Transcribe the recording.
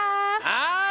はい！